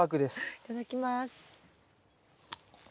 いただきます。